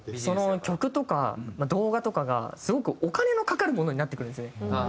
曲とか動画とかがすごくお金のかかるものになってくるんですよね。